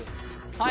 はい。